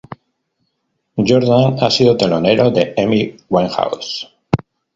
Jordan ha sido telonero de Amy Winehouse.